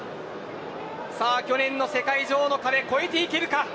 去年の世界女王の壁を越えていけるか。